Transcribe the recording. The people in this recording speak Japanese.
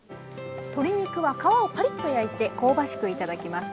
鶏肉は皮をパリッと焼いて香ばしく頂きます。